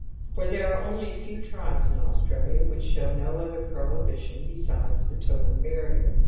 For there are only few tribes in Australia which show no other prohibition besides the totem barrier.